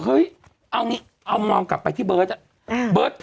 เฮ้ยเอางี้เอามองกลับไปที่เบิร์ตอะ